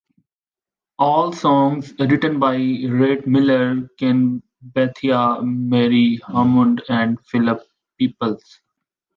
All songs written by Rhett Miller, Ken Bethea, Murry Hammond and Philip Peeples.